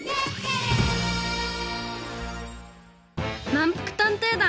まんぷく探偵団！